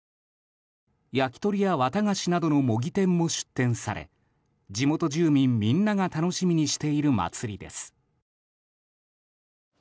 焼き鳥や綿菓子などの模擬店も出店され地元住民みんなが楽しみにしている祭りです。